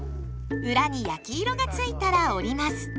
裏に焼き色がついたら折ります。